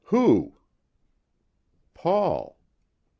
"Who?" "Paul."